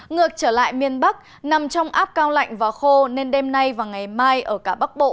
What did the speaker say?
ngược trở lại miền bắc nằm trong áp cao lạnh và khô nên đêm nay và ngày mai ở cả bắc bộ